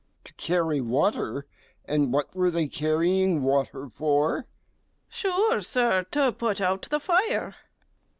G. To carry water, and what were they carrying water for? STEWARD. Sure, Sir, to put out the fire.